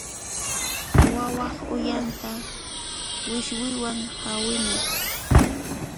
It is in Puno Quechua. Wawaq uyanta wiswiwan hawina.